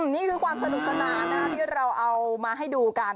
นี่คือความสนุกสนานที่เราเอามาให้ดูกัน